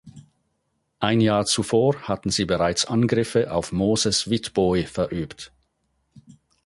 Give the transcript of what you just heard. Ein Jahr zuvor hatten sie bereits Angriffe auf Moses Witbooi verübt.